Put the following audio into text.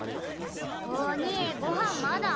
お兄ごはんまだ？